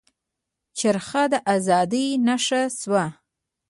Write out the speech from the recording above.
چرخه د ازادۍ نښه شوه.